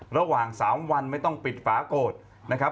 ระหว่าง๓วันไม่ต้องปิดฝาโกรธนะครับ